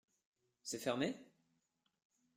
C’est fermé ?